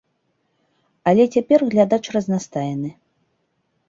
Але цяпер глядач разнастайны.